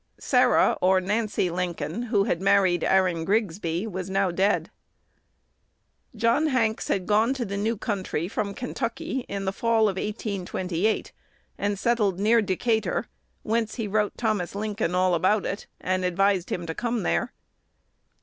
Sarah (or Nancy) Lincoln, who had married Aaron Grigsby, was now dead. John Hanks had gone to the new country from Kentucky in the fall of 1828, and settled near Decatur, whence he wrote Thomas Lincoln all about it, and advised him to come there.